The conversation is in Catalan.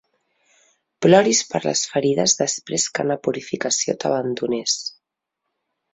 Ploris per les ferides després que na Purificació t'abandonés.